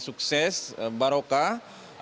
ini sukses barokah